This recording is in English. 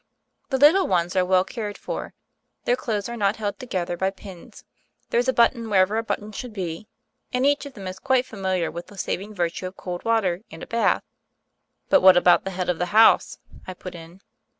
The little ones are well cared for: their clothes are not held together by pins: there's a button wherever a button should be; and each of them is quite familiar with the saving virtue of cold water and a bath." "But what about the head of the house?" I put in.